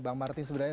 bang martin sebenarnya